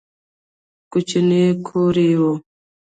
کوچنی کور یې و.